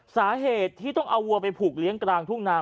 สาเหตุที่ต้องเอาวัวไปผูกเลี้ยงกลางทุ่งนา